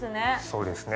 そうですね。